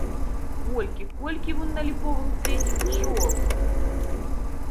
Колькі, колькі вунь на ліповым цвеце пчол!